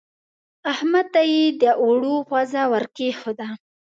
احمد ته يې د اوړو پزه ور کېښوده.